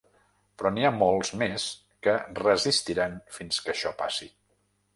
Però n’hi ha molts més que resistiran fins que això passi.